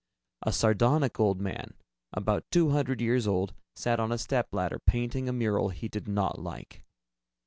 A sardonic old man, about two hundred years old, sat on a stepladder, painting a mural he did not like.